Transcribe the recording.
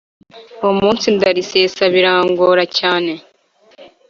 Uwo munsi ndarisesa birangora cyane